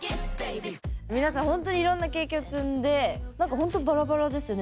皆さんほんとにいろんな経験を積んで何かほんとバラバラですよね。